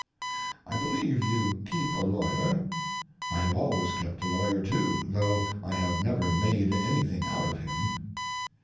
I believe you keep a lawyer. I have always kept a lawyer, too, though I have never made anything out of him.